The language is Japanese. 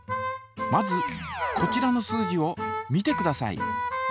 まずこちらの数字を見てください。